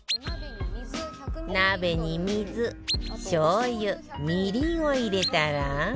鍋に水しょう油みりんを入れたら